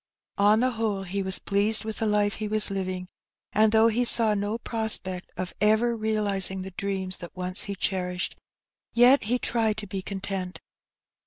On the whole he was pleased with the life he was living, and though he saw no prospect of ever realizing the dreams that once he cherished, yet he tried to be content.